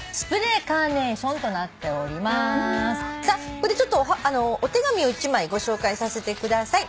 ここでちょっとお手紙を１枚ご紹介させてください。